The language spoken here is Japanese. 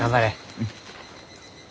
うん。